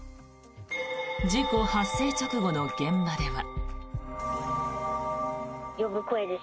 事故発生直後の現場では。